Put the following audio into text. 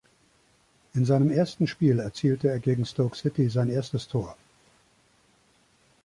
In seinem ersten Spiel erzielte er gegen Stoke City sein erstes Tor.